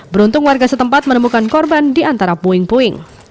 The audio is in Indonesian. beruntung warga setempat menemukan korban di antara puing puing